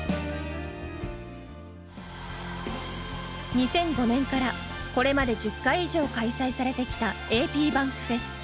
２００５年からこれまで１０回以上開催されてきたａｐｂａｎｋｆｅｓ。